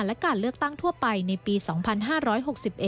และการเลือกตั้งทั่วไปในปี๒๕๖๑